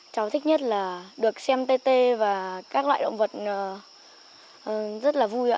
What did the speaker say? cháu thích nhất là được xem tê tê và các loại động vật rất là vui ạ